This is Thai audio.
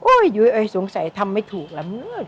โอ๊ยสงสัยทำไม่ถูกแล้ว